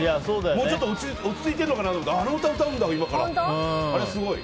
もうちょっと落ち着いてると思ったらあの歌、歌うんだ、今から。